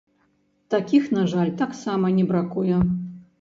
Такіх, на жаль, таксама не бракуе.